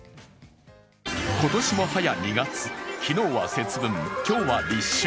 今年もはや２月、昨日は節分今日は立春。